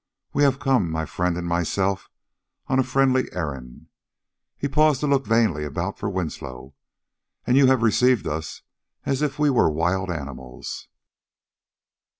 "We have come, my friend and myself, on a friendly errand." He paused to look vainly about for Winslow. "And you have received us as if we were wild animals."